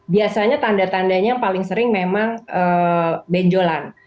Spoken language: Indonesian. biasanya tanda tandanya yang paling sering memang benjolan